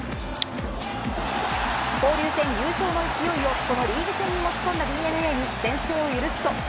交流戦優勝の勢いをこのリーグ戦に持ち込んだＤｅＮＡに先制を許すと。